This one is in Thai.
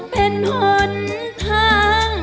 เป็นหนทาง